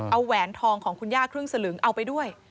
เอาแหวนทองของคุณย่าครึ่งสลึงเอาไปด้วย